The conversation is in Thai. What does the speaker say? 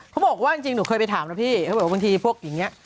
เขาบอกว่าจริงหนูเคยไปถามนะพี่เขาบอกว่าบางทีพวกอย่างนี้